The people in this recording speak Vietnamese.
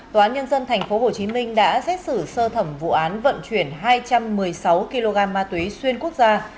tòa án nhân dân tp hcm đã xét xử sơ thẩm vụ án vận chuyển hai trăm một mươi sáu kg ma túy xuyên quốc gia